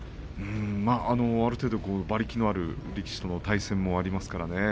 ある程度、馬力のある力士との対戦もありますからね。